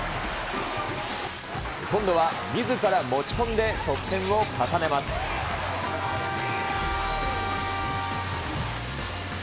今度はみずから持ち込んで得点を重ねます。